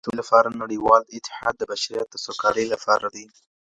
د سولي لپاره نړیوال اتحاد د بشریت د سوکالۍ لپاره دی.